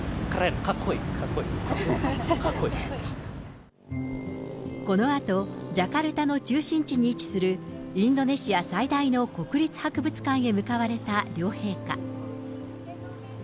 かっこいい、このあと、ジャカルタの中心地に位置するインドネシア最大の国立博物館へ向かわれた両陛下。